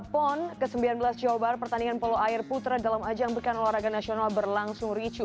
pon ke sembilan belas jawa barat pertandingan polo air putra dalam ajang bekan olahraga nasional berlangsung ricu